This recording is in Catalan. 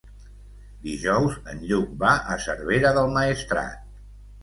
Dijous en Lluc va a Cervera del Maestrat.